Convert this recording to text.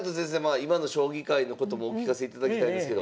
今の将棋界のこともお聞かせいただきたいんですけど。